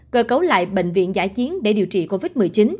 cơ cấu lại bệnh viện giải chiến để điều trị covid một mươi chín